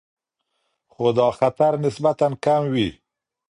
خو دا خطر نسبتاً کم وي.